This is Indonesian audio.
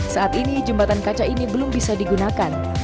saat ini jembatan kaca ini belum bisa digunakan